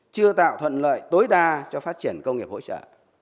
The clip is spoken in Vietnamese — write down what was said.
chưa tạo thuận lợi tối đa cho phát triển công nghiệp hỗ trợ